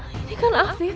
ini kan afif